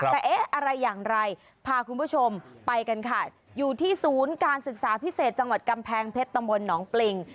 แต่เอ๊ะอะไรอย่างไรพาคุณผู้ชมไปกันค่ะอยู่ที่ศูนย์การศึกษาพิเศษจังหวัดกำแพงเพชรตำบลหนองปริง